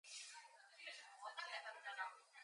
The tournament was contested by four teams.